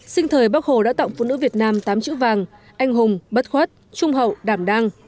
sinh thời bắc hồ đã tặng phụ nữ việt nam tám chữ vàng anh hùng bất khuất trung hậu đảm đang